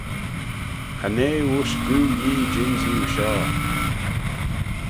Cha nee woish goo Yee jynsee oo shoh.